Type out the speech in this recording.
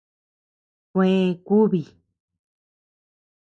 Kuè kubi.